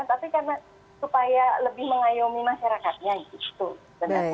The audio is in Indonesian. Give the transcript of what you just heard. tapi karena supaya lebih mengayomi masyarakatnya gitu